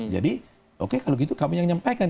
jadi oke kalau gitu kamu yang nyampaikan